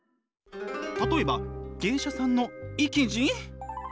例えば芸者さんの意気地？